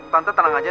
tante tenang aja